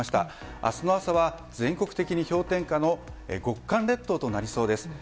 明日の朝は全国的に氷点下の極寒列島となりそうです。